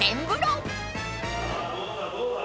どうだ？